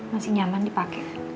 masih nyaman dipake